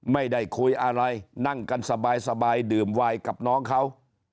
ไม่ได้คุยอะไรนั่งกันสบายดื่มไวน์กับน้องเขา